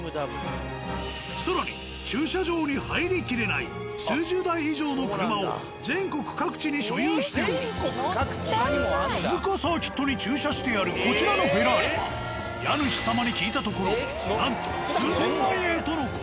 更に駐車場に入りきれない数十台以上の車を全国各地に所有しており鈴鹿サーキットに駐車してあるこちらのフェラーリは家主様に聞いたところなんと数千万円との事。